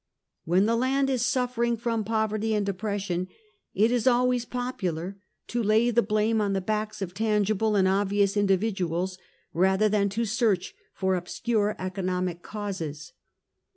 When the land is suffering from poverty and depression, it is always popular to lay the blame on the backs of tangible and obvious individuals, rather than to search for obscure economic causes.